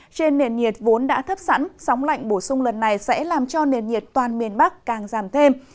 trên nền nhiệt vốn đã thấp sẵn sóng lạnh bổ sung lần này sẽ làm cho nền nhiệt toàn miền bắc càng giảm thêm